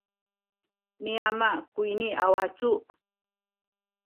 ni ama kuyni a wacu.